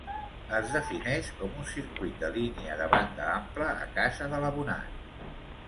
Es defineix com un circuit de línia de banda ampla a casa de l'abonat.